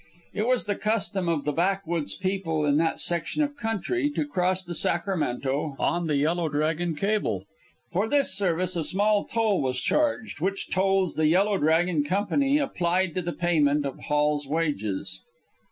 It was the custom of the backwoods people in that section of country to cross the Sacramento on the Yellow Dragon cable. For this service a small toll was charged, which tolls the Yellow Dragon Company applied to the payment of Hall's wages.